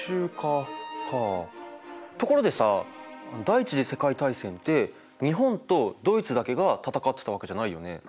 第一次世界大戦って日本とドイツだけが戦ってたわけじゃないよね。